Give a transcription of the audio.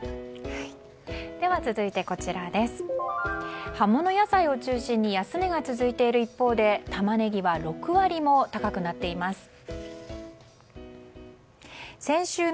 続いて、葉物野菜を中心に安値が続いている一方でタマネギは６割も高くなっています。